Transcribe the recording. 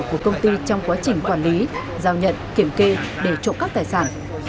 của công ty trong quá trình quản lý giao nhận kiểm kê để trộm cắp tài sản